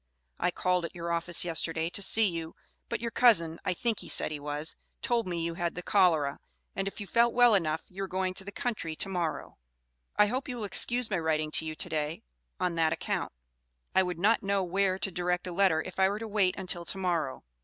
I called at your office yesterday to see you, but your cousin (I think he said he was) told me you had the cholera, and if you felt well enough you were going to the country to morrow. I hope you will excuse my writing to you to day, on that account. I would not know where to direct a letter if I were to wait until to morrow.